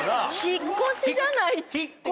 引っ越しじゃない？って。